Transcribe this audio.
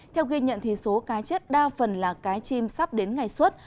theo ghi nhận số cá chết đa phần là cá chim sắp đến ngày suốt